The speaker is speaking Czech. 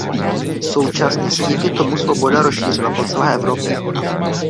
Současně se díky tomu svoboda rozšířila po celé Evropě.